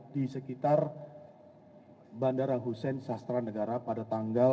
di sekitar bandara hussein sastranegara pada tanggal